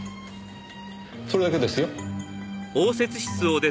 それだけですよ。